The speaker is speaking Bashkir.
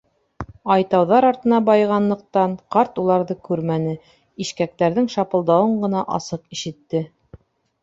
Ай тауҙар артына байығанлыҡтан, ҡарт уларҙы күрмәне, ишкәктәрҙең шапылдауын ғына асыҡ ишетте.